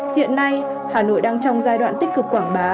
hiện nay hà nội đang trong giai đoạn tích cực quảng bá